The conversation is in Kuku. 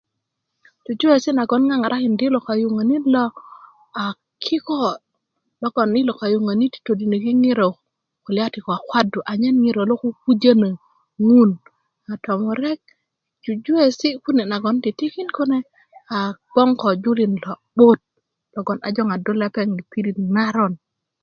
jujuwesi' nagoŋ um ŋaŋarakidi i lo kayuŋänit lo a kiko logon ilo kayuŋänit ti todiniki ŋiro kulya ti kwakwadu anyen ŋiro lo kukujena ŋun a tomurek jujuwesi' kune' nagon 'ntitikin kune aa gboŋ ko julin lo'but logon a joŋadu lepeŋ i pirit naron